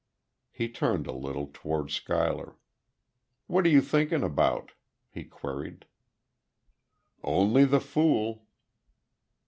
He turned a little, toward Schuyler. "What are you thinking about?" he queried. "Only the fool."